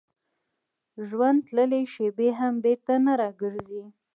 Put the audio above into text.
ژوند تللې شېبې هم بېرته نه راګرځي.